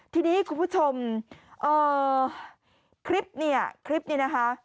ทีนี้คุณผู้ชมคลิปเนี่ยคลิปนี้นะคะ